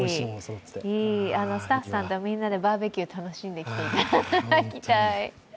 スタッフさんとみんなでバーベキュー楽しんできていただきたい。